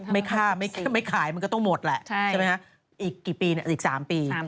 ไม่ฆ่าไม่ขายมันก็ต้องหมดแหละใช่ไหมฮะอีกกี่ปีเนี่ยอีก๓ปี